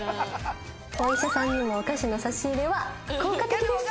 お医者さんにもお菓子の差し入れは効果的です！